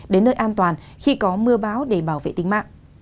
đến nơi an toàn khi có mưa báo để bảo vệ tính mạng